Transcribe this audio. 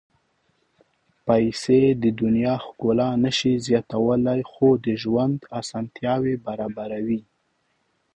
پېسې د دنیا ښکلا نه شي زیاتولی، خو د ژوند اسانتیاوې برابروي.